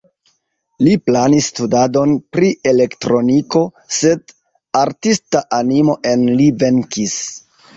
Li planis studadon pri elektroniko, sed artista animo en li venkis.